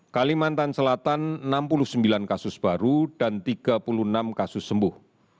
kalimantan selatan enam puluh sembilan kasus baru dan tiga puluh enam kasus sembuh